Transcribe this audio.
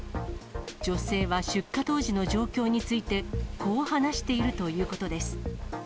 女性は出火当時の状況について、こう話しているということです。